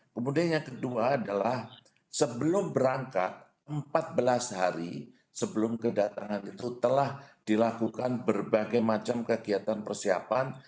kemudian yang kedua adalah sebelum berangkat empat belas hari sebelum kedatangan itu telah dilakukan berbagai macam kegiatan persiapan